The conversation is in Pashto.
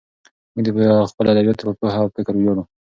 موږ د خپلو ادیبانو په پوهه او فکر ویاړو.